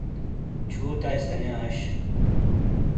چھوتائی سانیاں اش۔